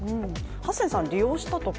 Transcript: ハセンさん、利用したとか？